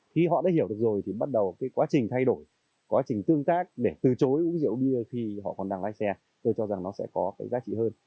khi họ đã hiểu được rồi thì bắt đầu cái quá trình thay đổi quá trình tương tác để từ chối uống rượu bia khi họ còn đang lái xe tôi cho rằng nó sẽ có cái giá trị hơn